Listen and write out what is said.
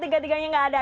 tiga tiganya tidak ada